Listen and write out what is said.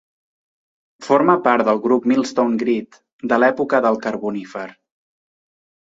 Forma part del grup Millstone Grit de l'època del Carbonífer.